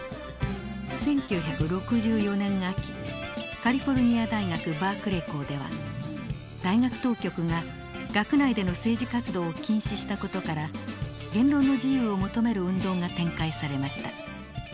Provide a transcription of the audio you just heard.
カリフォルニア大学バークレイ校では大学当局が学内での政治活動を禁止した事から言論の自由を求める運動が展開されました。